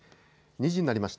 ２時になりました。